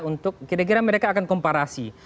untuk kira kira mereka akan komparasi